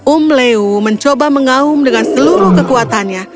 um leu mencoba mengaum dengan seluruh kekuatannya